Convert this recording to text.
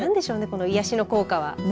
この癒やしの効果は。